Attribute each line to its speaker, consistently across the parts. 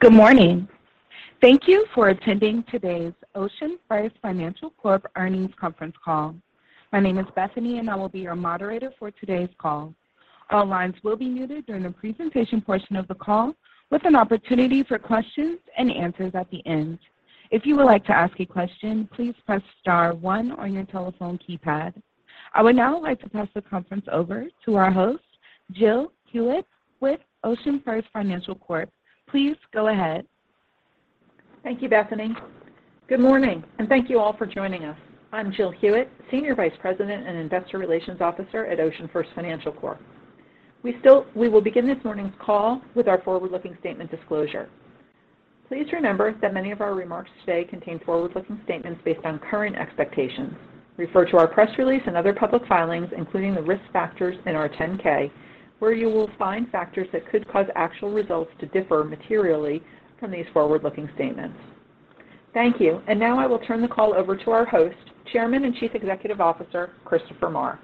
Speaker 1: Good morning. Thank you for attending today's OceanFirst Financial Corp earnings conference call. My name is Bethany, and I will be your moderator for today's call. All lines will be muted during the presentation portion of the call with an opportunity for questions and answers at the end. If you would like to ask a question, please press star one on your telephone keypad. I would now like to pass the conference over to our host, Jill Hewitt with OceanFirst Financial Corp. Please go ahead.
Speaker 2: Thank you, Bethany. Good morning, and thank you all for joining us. I'm Jill Hewitt, Senior Vice President and Investor Relations Officer at OceanFirst Financial Corp. We will begin this morning's call with our forward-looking statement disclosure. Please remember that many of our remarks today contain forward-looking statements based on current expectations. Refer to our press release and other public filings, including the risk factors in our 10-K, where you will find factors that could cause actual results to differ materially from these forward-looking statements. Thank you. Now I will turn the call over to our host, Chairman and Chief Executive Officer, Christopher Maher.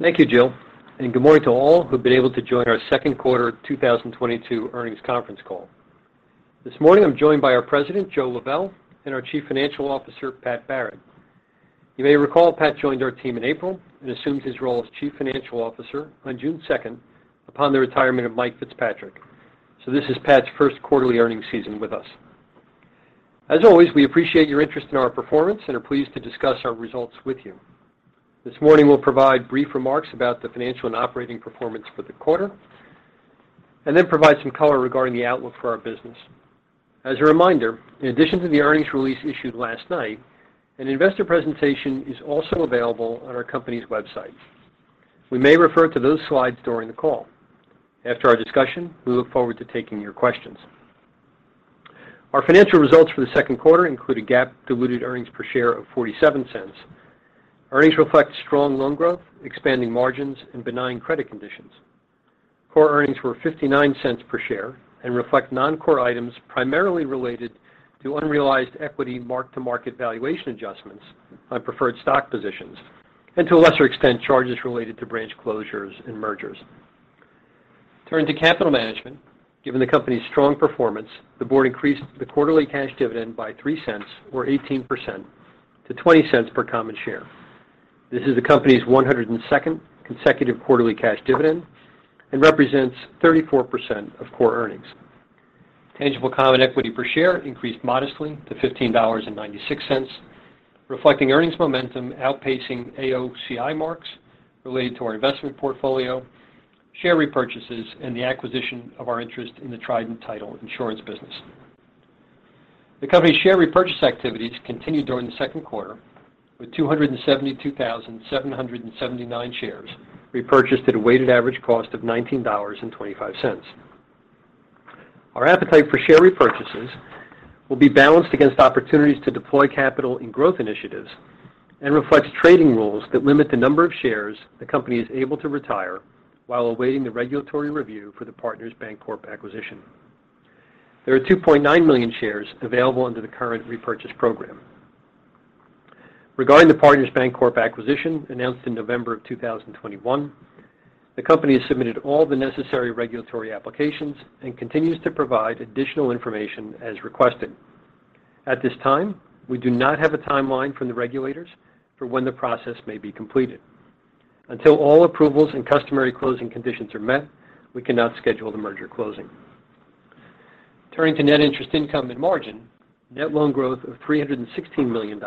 Speaker 3: Thank you, Jill, and good morning to all who've been able to join our second quarter 2022 earnings conference call. This morning, I'm joined by our President, Joe Lebel, and our Chief Financial Officer, Pat Barrett. You may recall Pat joined our team in April and assumed his role as Chief Financial Officer on June 2 upon the retirement of Mike Fitzpatrick. This is Pat's first quarterly earnings season with us. As always, we appreciate your interest in our performance and are pleased to discuss our results with you. This morning we'll provide brief remarks about the financial and operating performance for the quarter, and then provide some color regarding the outlook for our business. As a reminder, in addition to the earnings release issued last night, an investor presentation is also available on our company's website. We may refer to those slides during the call. After our discussion, we look forward to taking your questions. Our financial results for the second quarter include a GAAP diluted earnings per share of $0.47. Earnings reflect strong loan growth, expanding margins, and benign credit conditions. Core earnings were $0.59 per share and reflect non-core items primarily related to unrealized equity mark-to-market valuation adjustments on preferred stock positions, and to a lesser extent, charges related to branch closures and mergers. Turning to capital management. Given the company's strong performance, the board increased the quarterly cash dividend by $0.03 or 18% to $0.20 per common share. This is the company's 102nd consecutive quarterly cash dividend and represents 34% of core earnings. Tangible common equity per share increased modestly to $15.96, reflecting earnings momentum outpacing AOCI marks related to our investment portfolio, share repurchases, and the acquisition of our interest in the Trident title insurance business. The company's share repurchase activities continued during the second quarter with 272,779 shares repurchased at a weighted average cost of $19.25. Our appetite for share repurchases will be balanced against opportunities to deploy capital in growth initiatives and reflects trading rules that limit the number of shares the company is able to retire while awaiting the regulatory review for the Partners Bancorp acquisition. There are 2.9 million shares available under the current repurchase program. Regarding the Partners Bancorp acquisition announced in November of 2021, the company has submitted all the necessary regulatory applications and continues to provide additional information as requested. At this time, we do not have a timeline from the regulators for when the process may be completed. Until all approvals and customary closing conditions are met, we cannot schedule the merger closing. Turning to net interest income and margin. Net loan growth of $316 million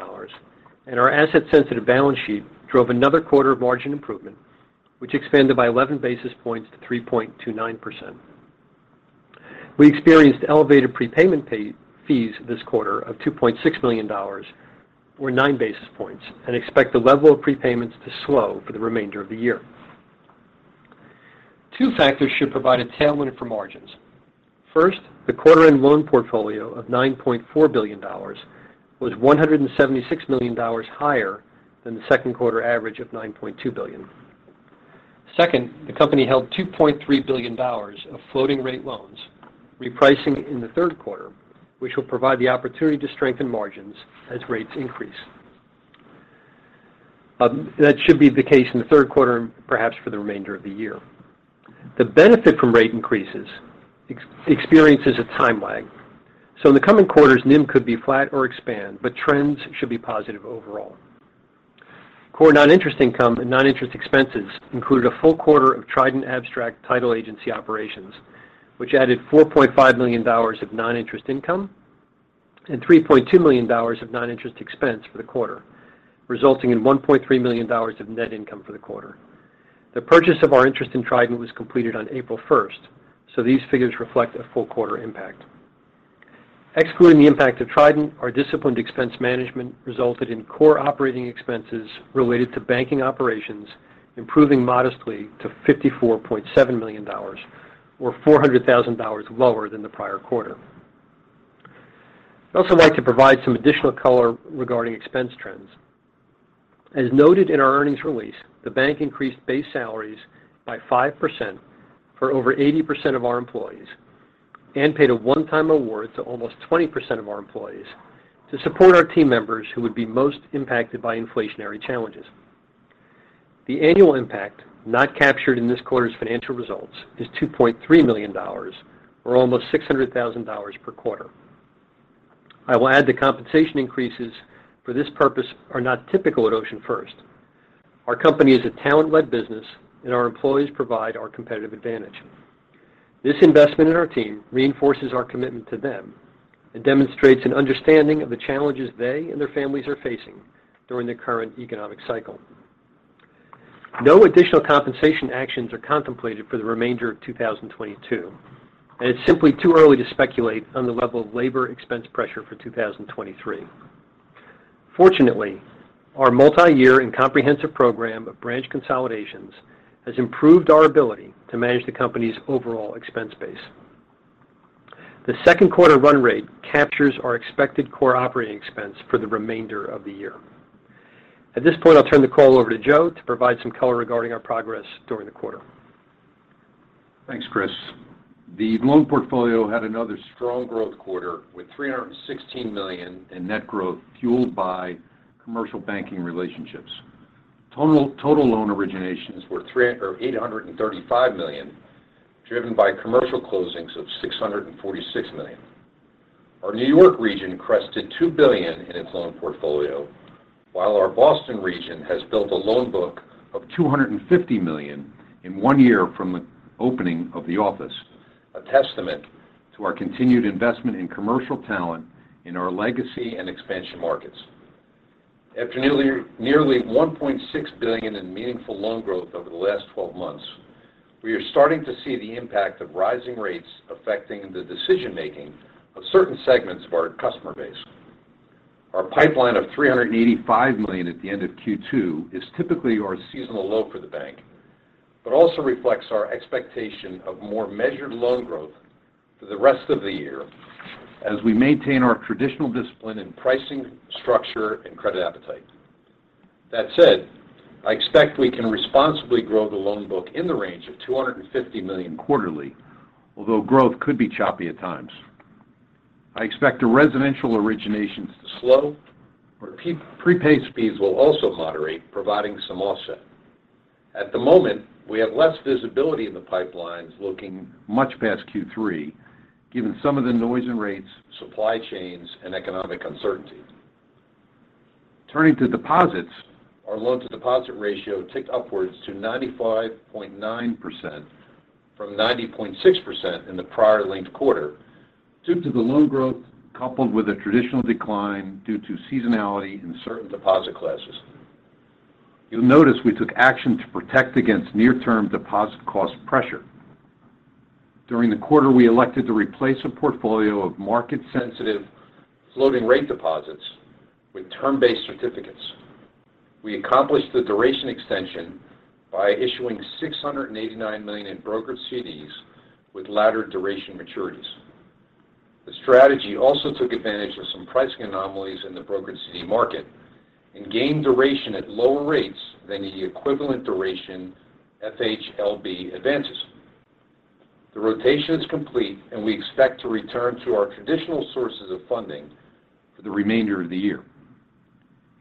Speaker 3: and our asset-sensitive balance sheet drove another quarter of margin improvement, which expanded by 11 basis points to 3.29%. We experienced elevated prepayment payoff fees this quarter of $2.6 million or 9 basis points and expect the level of prepayments to slow for the remainder of the year. Two factors should provide a tailwind for margins. First, the quarter-end loan portfolio of $9.4 billion was $176 million higher than the second quarter average of $9.2 billion. Second, the company held $2.3 billion of floating-rate loans repricing in the third quarter, which will provide the opportunity to strengthen margins as rates increase. That should be the case in the third quarter and perhaps for the remainder of the year. The benefit from rate increases experiences a time lag, so in the coming quarters, NIM could be flat or expand, but trends should be positive overall. Core non-interest income and non-interest expenses included a full quarter of Trident Abstract Title Agency operations, which added $4.5 million of non-interest income and $3.2 million of non-interest expense for the quarter, resulting in $1.3 million of net income for the quarter. The purchase of our interest in Trident was completed on April 1, so these figures reflect a full quarter impact. Excluding the impact of Trident, our disciplined expense management resulted in core operating expenses related to banking operations improving modestly to $54.7 million or $400,000 lower than the prior quarter. I'd also like to provide some additional color regarding expense trends. As noted in our earnings release, the bank increased base salaries by 5% for over 80% of our employees and paid a one-time award to almost 20% of our employees to support our team members who would be most impacted by inflationary challenges. The annual impact not captured in this quarter's financial results is $2.3 million or almost $600,000 per quarter. I will add the compensation increases for this purpose are not typical at OceanFirst. Our company is a talent-led business, and our employees provide our competitive advantage. This investment in our team reinforces our commitment to them and demonstrates an understanding of the challenges they and their families are facing during the current economic cycle. No additional compensation actions are contemplated for the remainder of 2022, and it's simply too early to speculate on the level of labor expense pressure for 2023. Fortunately, our multi-year and comprehensive program of branch consolidations has improved our ability to manage the company's overall expense base. The second quarter run rate captures our expected core operating expense for the remainder of the year. At this point, I'll turn the call over to Joe to provide some color regarding our progress during the quarter.
Speaker 4: Thanks, Chris. The loan portfolio had another strong growth quarter with $316 million in net growth fueled by commercial banking relationships. Total loan originations were $835 million, driven by commercial closings of $646 million. Our New York region crested $2 billion in its loan portfolio, while our Boston region has built a loan book of $250 million in 1 year from the opening of the office, a testament to our continued investment in commercial talent in our legacy and expansion markets. After nearly $1.6 billion in meaningful loan growth over the last 12 months, we are starting to see the impact of rising rates affecting the decision-making of certain segments of our customer base. Our pipeline of $385 million at the end of Q2 is typically our seasonal low for the bank, but also reflects our expectation of more measured loan growth for the rest of the year as we maintain our traditional discipline in pricing, structure, and credit appetite. That said, I expect we can responsibly grow the loan book in the range of $250 million quarterly, although growth could be choppy at times. I expect the residential originations to slow, where prepay speeds will also moderate, providing some offset. At the moment, we have less visibility in the pipelines looking much past Q3, given some of the noise in rates, supply chains, and economic uncertainty. Turning to deposits, our loan-to-deposit ratio ticked upwards to 95.9% from 90.6% in the prior linked quarter due to the loan growth coupled with a traditional decline due to seasonality in certain deposit classes. You'll notice we took action to protect against near-term deposit cost pressure. During the quarter, we elected to replace a portfolio of market-sensitive floating rate deposits with term-based certificates. We accomplished the duration extension by issuing $689 million in brokered CDs with laddered duration maturities. The strategy also took advantage of some pricing anomalies in the brokered CD market and gained duration at lower rates than the equivalent duration FHLB advances. The rotation is complete, and we expect to return to our traditional sources of funding for the remainder of the year.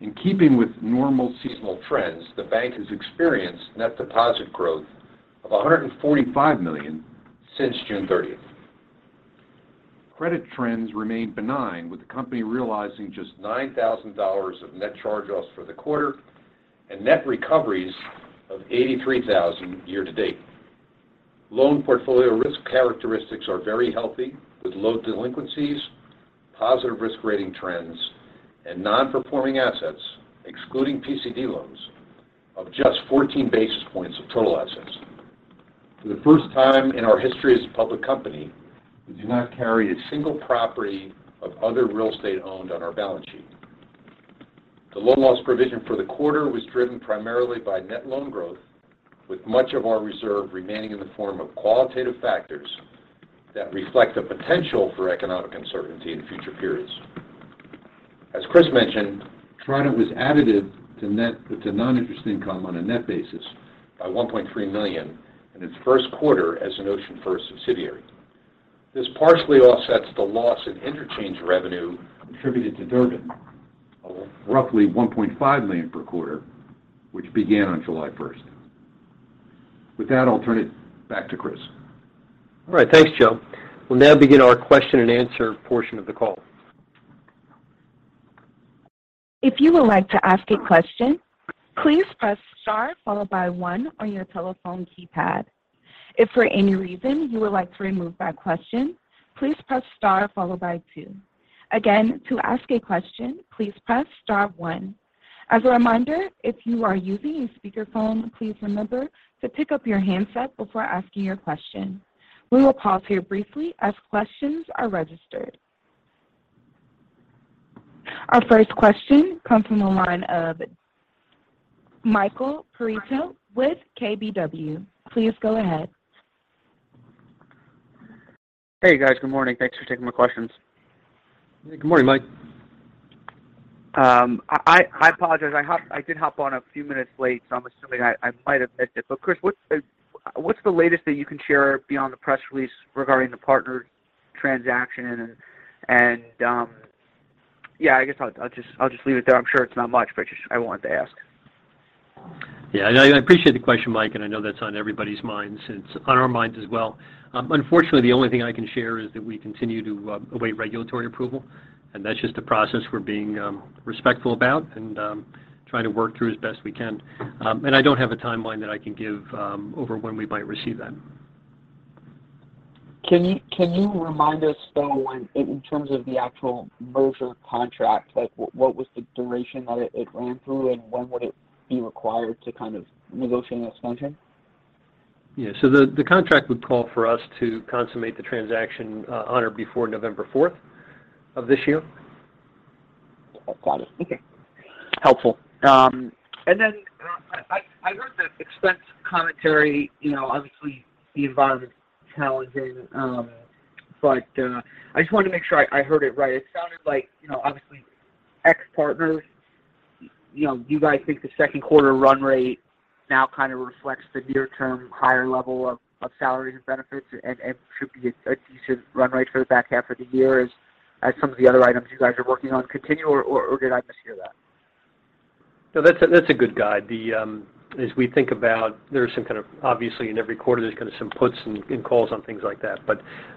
Speaker 4: In keeping with normal seasonal trends, the bank has experienced net deposit growth of $145 million since June 30th. Credit trends remain benign, with the company realizing just $9,000 of net charge-offs for the quarter and net recoveries of $83,000 year-to-date. Loan portfolio risk characteristics are very healthy, with low delinquencies, positive risk rating trends, and non-performing assets, excluding PCD loans, of just 14 basis points of total assets. For the first time in our history as a public company, we do not carry a single property of other real estate owned on our balance sheet. The loan loss provision for the quarter was driven primarily by net loan growth, with much of our reserve remaining in the form of qualitative factors that reflect the potential for economic uncertainty in future periods. As Chris mentioned, Trident was additive to non-interest income on a net basis by $1.3 million in its first quarter as an OceanFirst subsidiary. This partially offsets the loss in interchange revenue attributed to Durbin of roughly $1.5 million per quarter, which began on July 1. With that, I'll turn it back to Chris.
Speaker 3: All right. Thanks, Joe. We'll now begin our question-and-answer portion of the call.
Speaker 1: If you would like to ask a question, please press star followed by one on your telephone keypad. If for any reason you would like to remove that question, please press star followed by two. Again, to ask a question, please press star one. As a reminder, if you are using a speakerphone, please remember to pick up your handset before asking your question. We will pause here briefly as questions are registered. Our first question comes from the line of Michael Perito with KBW. Please go ahead.
Speaker 5: Hey, guys. Good morning. Thanks for taking my questions.
Speaker 3: Good morning, Mike.
Speaker 5: I apologize. I did hop on a few minutes late, so I'm assuming I might have missed it. Chris, what's the latest that you can share beyond the press release regarding the Partners transaction and Yeah, I guess I'll just leave it there. I'm sure it's not much, but just I wanted to ask.
Speaker 3: Yeah, no, I appreciate the question, Mike, and I know that's on everybody's minds. It's on our minds as well. Unfortunately, the only thing I can share is that we continue to await regulatory approval, and that's just a process we're being respectful about and try to work through as best we can. I don't have a timeline that I can give over when we might receive that.
Speaker 5: Can you remind us, though, when in terms of the actual merger contract, like what was the duration that it ran through, and when would it be required to kind of negotiate an extension?
Speaker 3: Yeah. The contract would call for us to consummate the transaction on or before November fourth of this year.
Speaker 5: Got it. Okay.
Speaker 3: Helpful.
Speaker 5: Then I heard the expense commentary, you know, obviously the environment's challenging, but I just wanted to make sure I heard it right. It sounded like, you know, obviously ex-Partners, you know, you guys think the second quarter run rate now kind of reflects the near-term higher level of salaries and benefits and should be a decent run rate for the back half of the year as some of the other items you guys are working on continue or did I mishear that?
Speaker 3: No, that's a good guide. As we think about, there's some kind of obviously in every quarter there's kind of some puts and calls on things like that.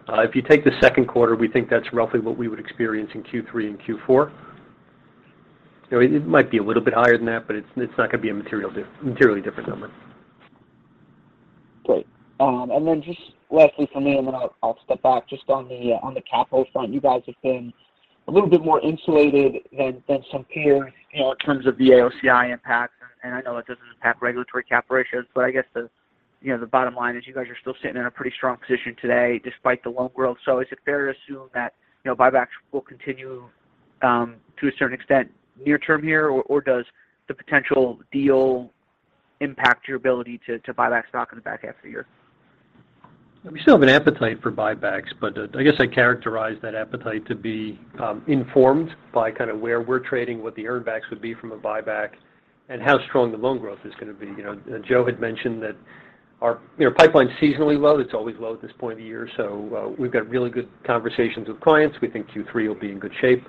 Speaker 3: If you take the second quarter, we think that's roughly what we would experience in Q3 and Q4. You know, it might be a little bit higher than that, but it's not gonna be a materially different number.
Speaker 5: Great. Then just lastly from me and then I'll step back. Just on the capital front, you guys have been a little bit more insulated than some peers, you know, in terms of the AOCI impact. I know it doesn't impact regulatory capital ratios, but I guess, you know, the bottom line is you guys are still sitting in a pretty strong position today despite the loan growth. Is it fair to assume that, you know, buybacks will continue to a certain extent near term here or does the potential deal impact your ability to buy back stock in the back half of the year?
Speaker 3: We still have an appetite for buybacks. I guess I characterize that appetite to be informed by kind of where we're trading, what the earnbacks would be from a buyback and how strong the loan growth is gonna be. You know, Joe had mentioned that our, you know, pipeline's seasonally low. It's always low at this point of the year. We've got really good conversations with clients. We think Q3 will be in good shape.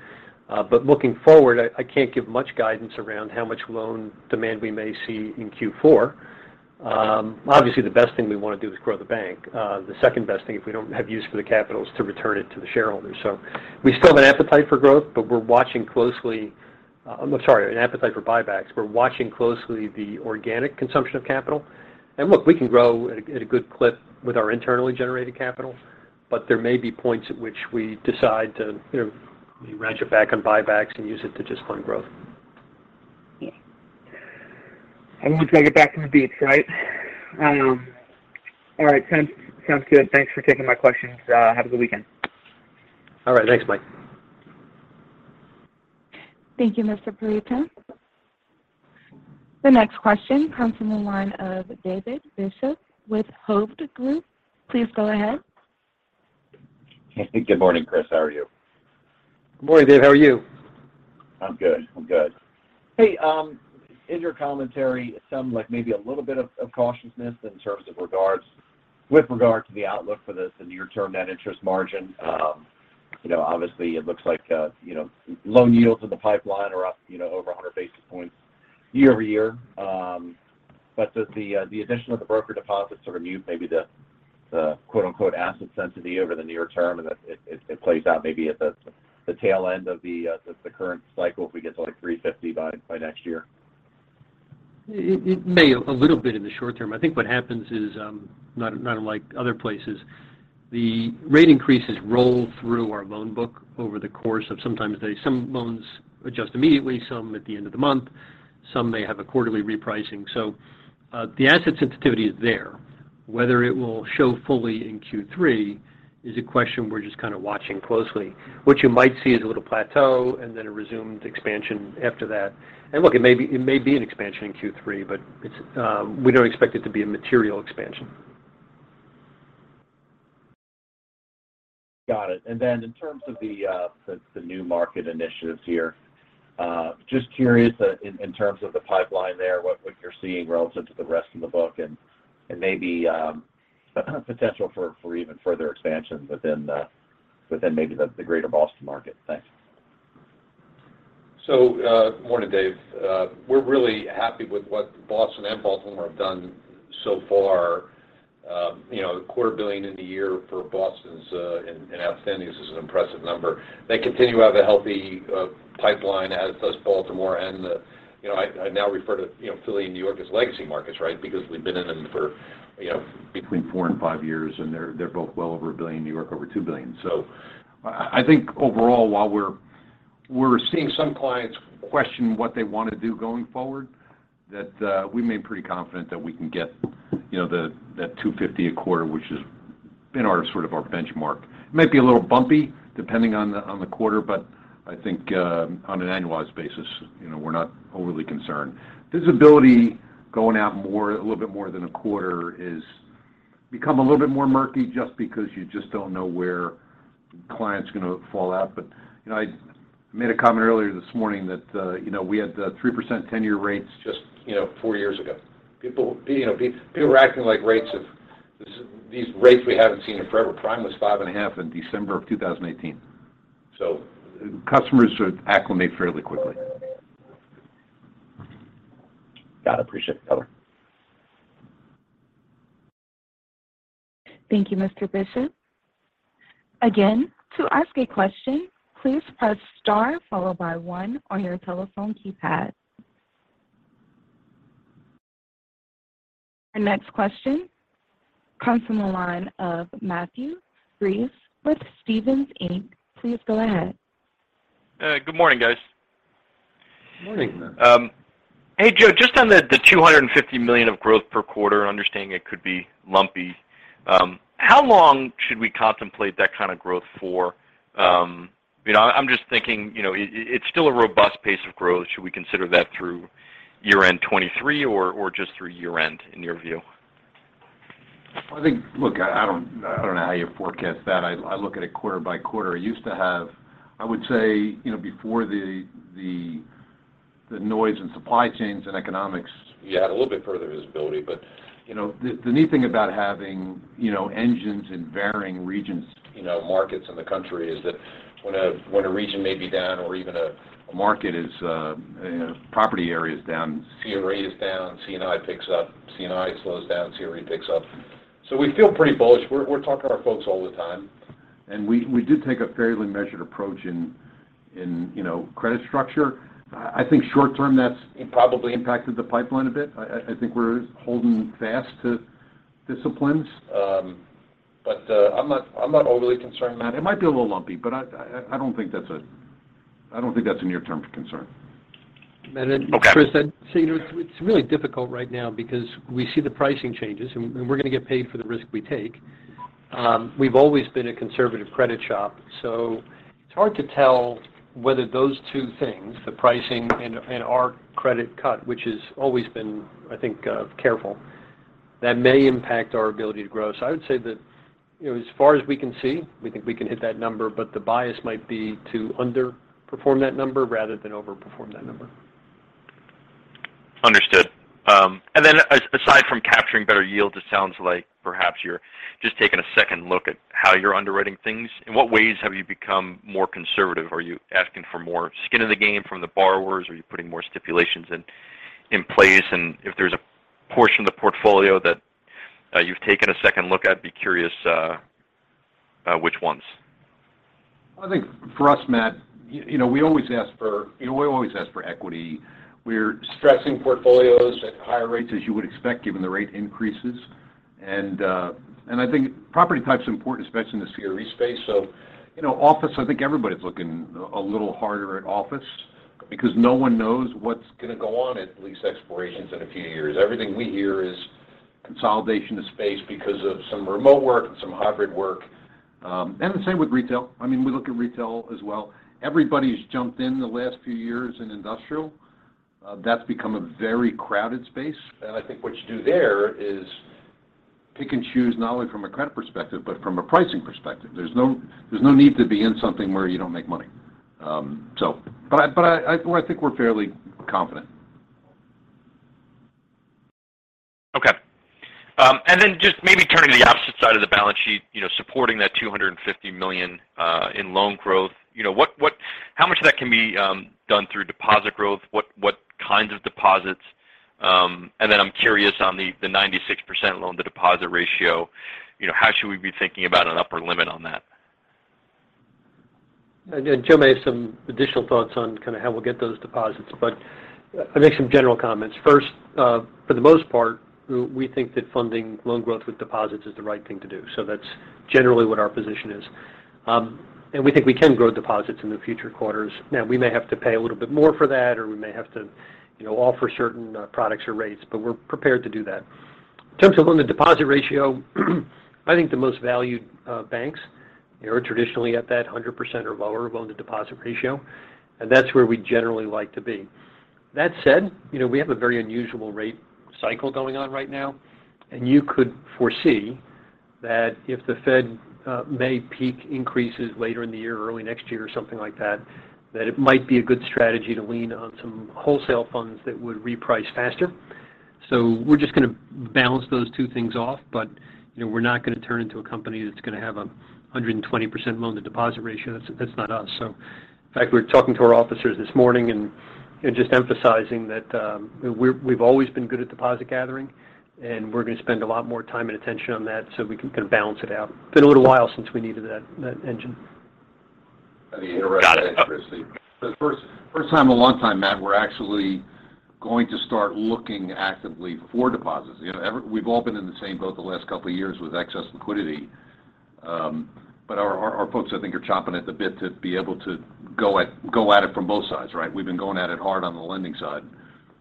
Speaker 3: Looking forward, I can't give much guidance around how much loan demand we may see in Q4. Obviously the best thing we want to do is grow the bank. The second best thing if we don't have use for the capital is to return it to the shareholders. We still have an appetite for buybacks. We're watching closely the organic consumption of capital. Look, we can grow at a good clip with our internally generated capital. There may be points at which we decide to, you know, rein it back on buybacks and use it to just fund growth.
Speaker 5: Yeah. Once I get back from the beach, right? All right. Sounds good. Thanks for taking my questions. Have a good weekend.
Speaker 3: All right. Thanks, Mike.
Speaker 1: Thank you, Mr. Perito. The next question comes from the line of David Bishop with Hovde Group. Please go ahead.
Speaker 6: Good morning, Chris. How are you?
Speaker 3: Good morning, Dave. How are you?
Speaker 6: I'm good. Hey, in your commentary, it sounds like maybe a little bit of cautiousness in terms of with regard to the outlook for this and near term net interest margin. You know, obviously it looks like, you know, loan yields in the pipeline are up, you know, over one hundred basis points year-over-year. But does the addition of the broker deposits sort of mute maybe the quote unquote asset sensitivity over the near term, and that it plays out maybe at the tail end of the current cycle if we get to like 3.50 by next year?
Speaker 3: It may be a little bit in the short term. I think what happens is, not unlike other places, the rate increases roll through our loan book over the course of some loans adjust immediately, some at the end of the month. Some may have a quarterly repricing. The asset sensitivity is there. Whether it will show fully in Q3 is a question we're just kind of watching closely. What you might see is a little plateau and then a resumed expansion after that. Look, it may be an expansion in Q3, but we don't expect it to be a material expansion.
Speaker 6: Got it. In terms of the new market initiatives here, just curious, in terms of the pipeline there, what you're seeing relative to the rest of the book and maybe potential for even further expansion within maybe the greater Boston market. Thanks.
Speaker 4: Morning, Dave. We're really happy with what Boston and Baltimore have done so far. You know, the quarter billion in the year for Boston's in outstandings is an impressive number. They continue to have a healthy pipeline, as does Baltimore, and you know, I now refer to Philly and New York as legacy markets, right? Because we've been in them for you know, between four and five years, and they're both well over $1 billion. New York over $2 billion. I think overall while we're seeing some clients question what they want to do going forward, that we remain pretty confident that we can get you know, that $250 a quarter which has been our sort of benchmark. It might be a little bumpy depending on the quarter, but I think on an annualized basis, you know, we're not overly concerned. Visibility going out more, a little bit more than a quarter has become a little bit more murky just because you just don't know where clients are going to fall out. I made a comment earlier this morning that, you know, we had 3% tenor rates just, you know, four years ago. People, you know, were acting like rates have disappeared. These rates we haven't seen in forever. Prime was 5.5 in December of 2018. Customers should acclimate fairly quickly.
Speaker 6: Got it. Appreciate it, Joseph Lebel, Jr..
Speaker 1: Thank you, Mr. Bishop. Again, to ask a question, please press star followed by one on your telephone keypad. Our next question comes from the line of Matthew Breese with Stephens Inc. Please go ahead.
Speaker 7: Good morning, guys.
Speaker 4: Morning.
Speaker 3: Morning.
Speaker 7: Hey, Joe, just on the $250 million of growth per quarter, understanding it could be lumpy, how long should we contemplate that kind of growth for? You know, I'm just thinking, you know, it's still a robust pace of growth. Should we consider that through year-end 2023 or just through year-end in your view?
Speaker 4: Look, I don't know how you forecast that. I look at it quarter by quarter. I used to have. I would say, you know, before the noise in supply chains and economics, you had a little bit further visibility. You know, the neat thing about having, you know, engines in varying regions, you know, markets in the country is that when a region may be down or even a market is, you know, property area is down, CRE is down, C&I picks up, C&I slows down, CRE picks up. We feel pretty bullish. We're talking to our folks all the time. We do take a fairly measured approach in, you know, credit structure. I think short-term that's probably impacted the pipeline a bit. I think we're holding fast to disciplines. I'm not overly concerned, Matt. It might be a little lumpy, but I don't think that's a near-term concern.
Speaker 7: Okay.
Speaker 3: Matt and Chris, I'd say, you know what? It's really difficult right now because we see the pricing changes and we're gonna get paid for the risk we take. We've always been a conservative credit shop, so it's hard to tell whether those two things, the pricing and our credit culture, which has always been, I think, careful, that may impact our ability to grow. I would say that, you know, as far as we can see, we think we can hit that number, but the bias might be to underperform that number rather than overperform that number.
Speaker 7: Understood. Aside from capturing better yields, it sounds like perhaps you're just taking a second look at how you're underwriting things. In what ways have you become more conservative? Are you asking for more skin in the game from the borrowers? Are you putting more stipulations in place? If there's a portion of the portfolio that you've taken a second look at, I'd be curious which ones.
Speaker 4: I think for us, Matt, you know, we always ask for equity. We're stressing portfolios at higher rates as you would expect, given the rate increases. I think property type's important, especially in the CRE space. You know, office, I think everybody's looking a little harder at office because no one knows what's gonna go on at lease expirations in a few years. Everything we hear is consolidation of space because of some remote work and some hybrid work. The same with retail. I mean, we look at retail as well. Everybody's jumped in the last few years in industrial. That's become a very crowded space. I think what you do there is pick and choose not only from a credit perspective, but from a pricing perspective. There's no need to be in something where you don't make money. Well, I think we're fairly confident.
Speaker 7: Okay. Just maybe turning to the opposite side of the balance sheet, you know, supporting that $250 million in loan growth. You know, how much of that can be done through deposit growth? What kinds of deposits? I'm curious on the 96% loan-to-deposit ratio, you know, how should we be thinking about an upper limit on that?
Speaker 3: Joe may have some additional thoughts on kind of how we'll get those deposits, but I'll make some general comments. First, for the most part, we think that funding loan growth with deposits is the right thing to do. That's generally what our position is. We think we can grow deposits in the future quarters. Now, we may have to pay a little bit more for that, or we may have to, you know, offer certain products or rates, but we're prepared to do that. In terms of loan-to-deposit ratio, I think the most valued banks are traditionally at that 100% or lower loan-to-deposit ratio, and that's where we generally like to be.
Speaker 8: That said, you know, we have a very unusual rate cycle going on right now, and you could foresee that if the Fed may peak increases later in the year or early next year or something like that it might be a good strategy to lean on some wholesale funds that would reprice faster. We're just gonna balance those two things off. You know, we're not gonna turn into a company that's gonna have a 120% loan-to-deposit ratio. That's not us. In fact, we were talking to our officers this morning and just emphasizing that we've always been good at deposit gathering, and we're gonna spend a lot more time and attention on that so we can kind of balance it out. It's been a little while since we needed that engine.
Speaker 4: Let me interrupt that, Chris.
Speaker 7: Got it.
Speaker 4: The first time in a long time, Matt, we're actually going to start looking actively for deposits. You know, we've all been in the same boat the last couple of years with excess liquidity. Our folks, I think, are chomping at the bit to be able to go at it from both sides, right? We've been going at it hard on the lending side.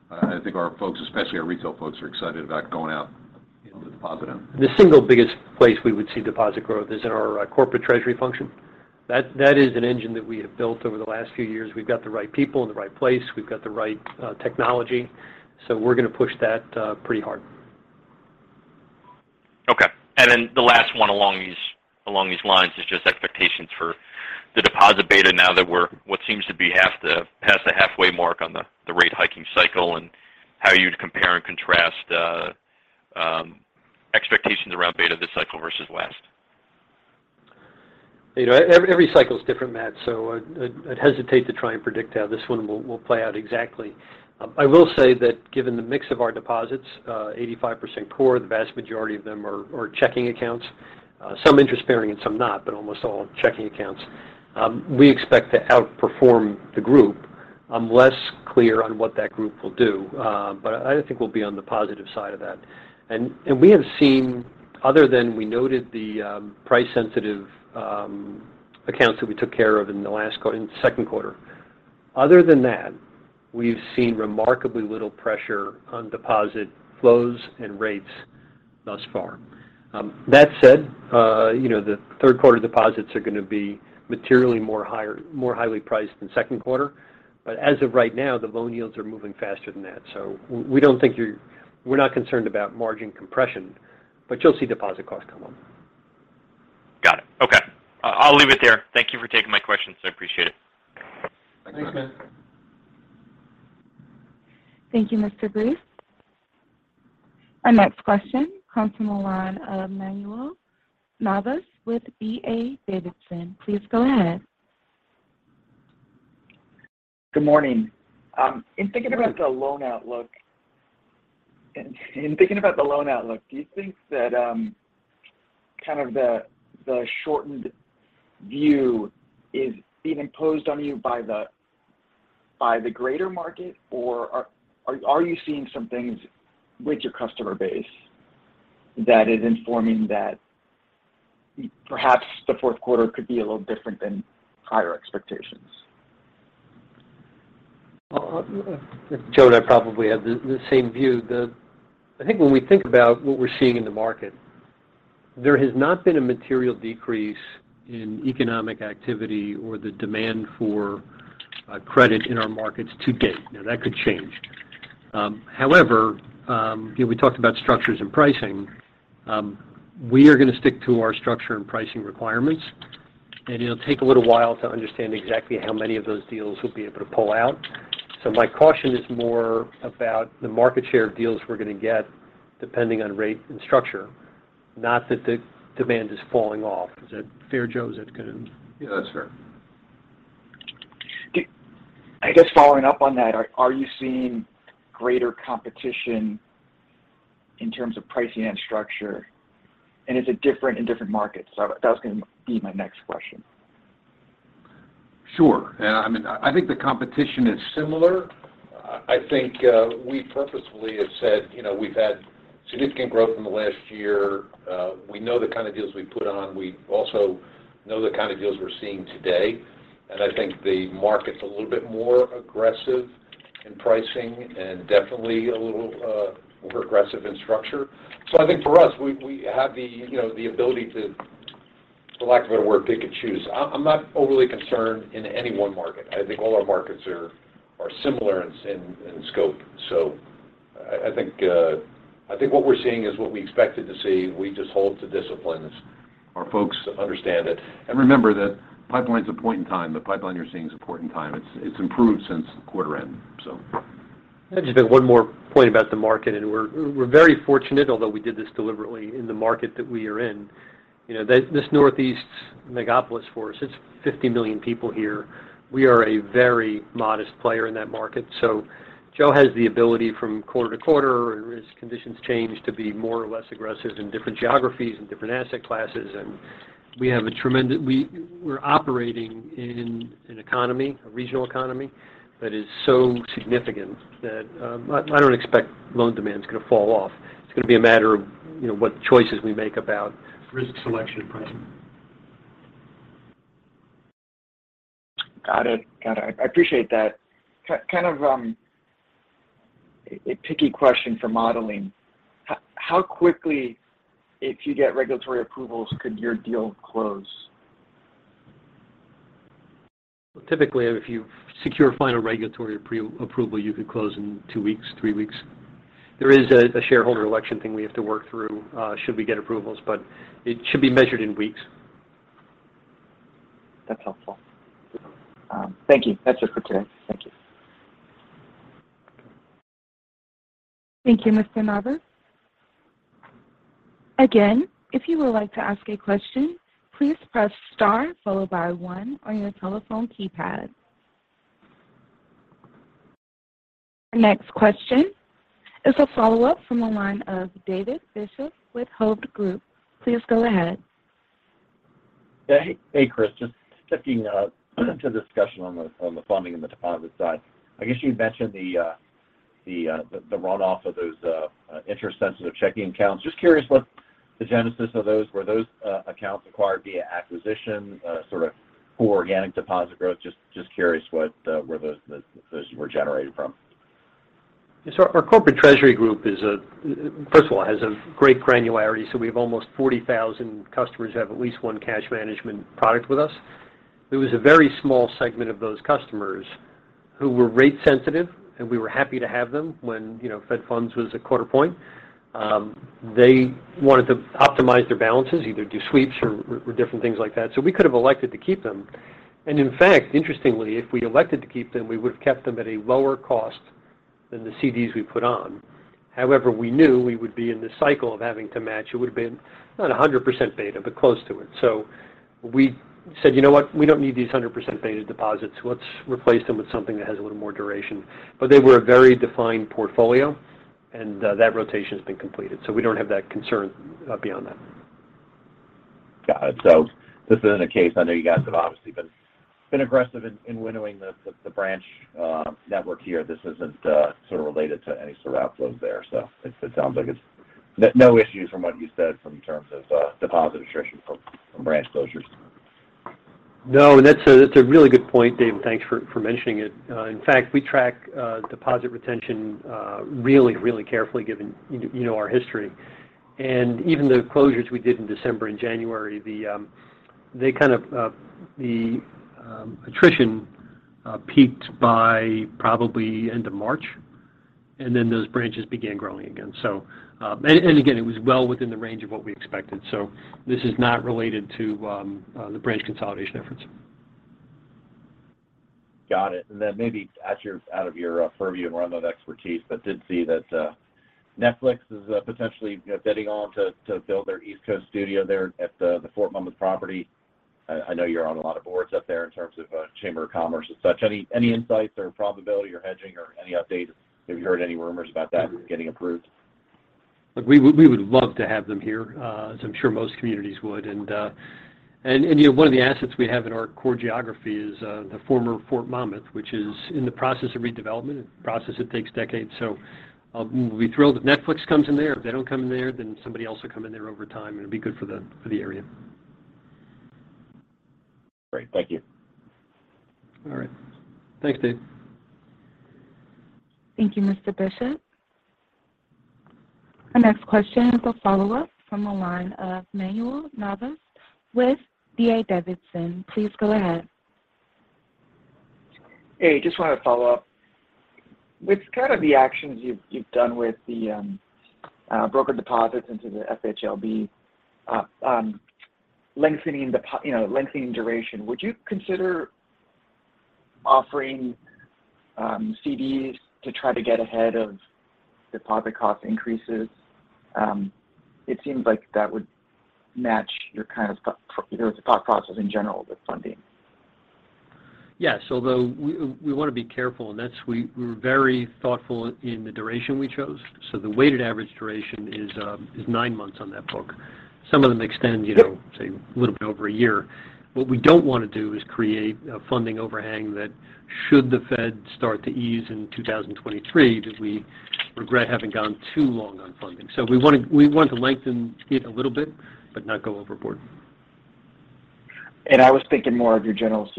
Speaker 4: I think our folks, especially our retail folks, are excited about going out into the deposit end.
Speaker 3: The single biggest place we would see deposit growth is in our corporate treasury function. That is an engine that we have built over the last few years. We've got the right people in the right place. We've got the right technology. We're gonna push that pretty hard.
Speaker 7: Okay. The last one along these lines is just expectations for deposit beta now that we're what seems to be past the halfway mark on the rate hiking cycle and how you'd compare and contrast expectations around beta this cycle versus last.
Speaker 3: You know, every cycle is different, Matt, so I'd hesitate to try and predict how this one will play out exactly. I will say that given the mix of our deposits, 85% core, the vast majority of them are checking accounts, some interest-bearing and some not, but almost all checking accounts. We expect to outperform the group. I'm less clear on what that group will do, but I think we'll be on the positive side of that. We have seen, other than we noted the price sensitive accounts that we took care of in the last quarter in the second quarter. Other than that, we've seen remarkably little pressure on deposit flows and rates thus far. That said, you know, the third quarter deposits are gonna be materially more highly priced than second quarter. As of right now, the loan yields are moving faster than that. We're not concerned about margin compression, but you'll see deposit costs come up.
Speaker 7: Got it. Okay. I'll leave it there. Thank you for taking my questions. I appreciate it.
Speaker 3: Thanks, Matt.
Speaker 1: Thank you, Mr. Breese. Our next question comes from the line of Manuel Navas with D.A. Davidson. Please go ahead.
Speaker 9: Good morning. In thinking about the loan outlook, do you think that kind of the shortened view is being imposed on you by the greater market, or are you seeing some things with your customer base that is informing that perhaps the fourth quarter could be a little different than higher expectations?
Speaker 8: Well, Joe and I probably have the same view. I think when we think about what we're seeing in the market, there has not been a material decrease in economic activity or the demand for credit in our markets to date. Now, that could change. However, you know, we talked about structures and pricing. We are going to stick to our structure and pricing requirements, and it'll take a little while to understand exactly how many of those deals we'll be able to pull out. My caution is more about the market share deals we're going to get depending on rate and structure, not that the demand is falling off. Is that fair, Joe? Is it good?
Speaker 4: Yeah, that's fair.
Speaker 9: I guess following up on that, are you seeing greater competition in terms of pricing and structure? Is it different in different markets? That was going to be my next question.
Speaker 4: Sure. I mean, I think the competition is similar. I think we purposefully have said, you know, we've had significant growth in the last year. We know the kind of deals we put on. We also know the kind of deals we're seeing today. I think the market's a little bit more aggressive in pricing and definitely a little more aggressive in structure. I think for us, we have the, you know, the ability to, for lack of a better word, pick and choose. I'm not overly concerned in any one market. I think all our markets are similar in scope. I think what we're seeing is what we expected to see. We just hold to disciplines. Our folks understand it. Remember that pipeline is a point in time. The pipeline you're seeing is a point in time. It's improved since quarter end.
Speaker 3: I'll just make one more point about the market, and we're very fortunate, although we did this deliberately in the market that we are in. You know, this Northeast megalopolis for us, it's 50 million people here. We are a very modest player in that market. Joe has the ability from quarter to quarter as conditions change to be more or less aggressive in different geographies and different asset classes. We're operating in an economy, a regional economy, that is so significant that I don't expect loan demand is going to fall off. It's going to be a matter of, you know, what choices we make about risk selection pricing.
Speaker 9: Got it. I appreciate that. Kind of a picky question for modeling. How quickly, if you get regulatory approvals, could your deal close?
Speaker 3: Typically, if you secure final regulatory approval, you could close in 2 weeks, 3 weeks. There is a shareholder election thing we have to work through, should we get approvals, but it should be measured in weeks.
Speaker 9: That's helpful. Thank you. That's it for today. Thank you.
Speaker 1: Thank you, Mr. Navas. Again, if you would like to ask a question, please press star followed by one on your telephone keypad. Our next question is a follow-up from the line of David Bishop with Hovde Group. Please go ahead.
Speaker 6: Yeah. Hey, Chris. Just sticking to the discussion on the funding and the deposit side. I guess you mentioned the runoff of those interest-sensitive checking accounts. Just curious what the genesis of those. Were those accounts acquired via acquisition or from poor organic deposit growth? Just curious where those were generated from.
Speaker 3: Our corporate treasury group first of all has a great granularity. We have almost 40,000 customers who have at least one cash management product with us. There was a very small segment of those customers who were rate sensitive, and we were happy to have them when, you know, Fed funds was 0.25 point. They wanted to optimize their balances, either do sweeps or different things like that. We could have elected to keep them. In fact, interestingly, if we'd elected to keep them, we would've kept them at a lower cost than the CDs we put on. However, we knew we would be in this cycle of having to match. It would've been not 100% beta, but close to it. We said, "You know what? We don't need these 100% beta deposits. Let's replace them with something that has a little more duration." They were a very defined portfolio, and that rotation's been completed, so we don't have that concern beyond that.
Speaker 6: Got it. This isn't a case. I know you guys have obviously been aggressive in winnowing the branch network here. This isn't sort of related to any sort of outflows there. It sounds like it's no issues from what you said in terms of deposit attrition from branch closures.
Speaker 3: No, that's a really good point, Dave. Thanks for mentioning it. In fact, we track deposit retention really carefully given you know our history. Even the closures we did in December and January, the attrition peaked by probably end of March, and then those branches began growing again. Again, it was well within the range of what we expected. This is not related to the branch consolidation efforts.
Speaker 6: Got it. Then maybe out of your purview and realm of expertise, but did see that Netflix is potentially, you know, bidding on to build their East Coast studio there at the Fort Monmouth property. I know you're on a lot of boards up there in terms of chamber of commerce and such. Any insights or probability or hedging or any updates? Have you heard any rumors about that getting approved?
Speaker 3: Look, we would love to have them here, as I'm sure most communities would. You know, one of the assets we have in our core geography is the former Fort Monmouth, which is in the process of redevelopment. A process that takes decades. I'll be thrilled if Netflix comes in there. If they don't come in there, then somebody else will come in there over time, and it'll be good for the area.
Speaker 6: Great. Thank you.
Speaker 3: All right. Thanks, Dave.
Speaker 1: Thank you, Mr. Bishop. Our next question is a follow-up from the line of Manuel Navas with D.A. Davidson. Please go ahead.
Speaker 9: Hey, just wanted to follow up. With kind of the actions you've done with the broker deposits into the FHLB, you know, lengthening duration, would you consider offering CDs to try to get ahead of deposit cost increases? It seems like that would match your kind of thought process in general with funding.
Speaker 3: Yes, although we wanna be careful, and we're very thoughtful in the duration we chose. The weighted average duration is nine months on that book. Some of them extend, you know, say a little bit over a year. What we don't wanna do is create a funding overhang that should the Fed start to ease in 2023, that we regret having gone too long on funding. We want to lengthen, stay a little bit, but not go overboard.
Speaker 9: I was thinking more of your general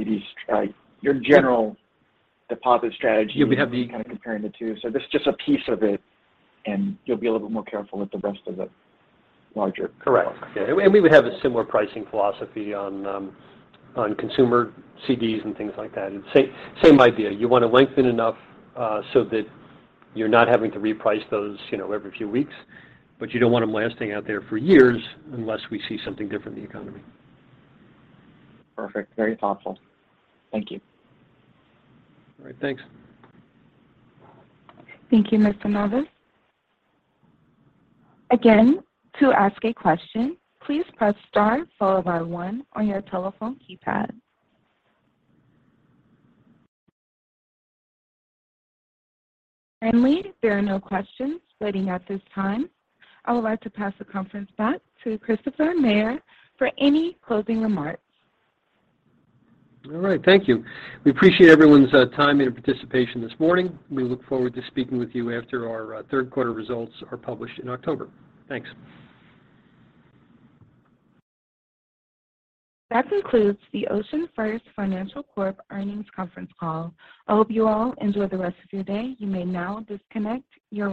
Speaker 9: deposit strategy.
Speaker 3: You mean how the-
Speaker 9: Kind of comparing the two. This is just a piece of it, and you'll be a little bit more careful with the rest of the larger-
Speaker 3: Correct. Yeah. We would have a similar pricing philosophy on consumer CDs and things like that. It's same idea. You wanna lengthen enough so that you're not having to reprice those, you know, every few weeks, but you don't want them lasting out there for years unless we see something different in the economy.
Speaker 9: Perfect. Very thoughtful. Thank you.
Speaker 3: All right. Thanks.
Speaker 1: Thank you, Mr. Navas. Again, to ask a question, please press star followed by one on your telephone keypad. There are no questions waiting at this time. I would like to pass the conference back to Christopher Maher for any closing remarks.
Speaker 3: All right. Thank you. We appreciate everyone's time and participation this morning. We look forward to speaking with you after our third quarter results are published in October. Thanks.
Speaker 1: That concludes the OceanFirst Financial Corp earnings conference call. I hope you all enjoy the rest of your day. You may now disconnect your line.